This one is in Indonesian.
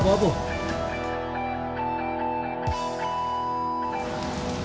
aku mau ke rumah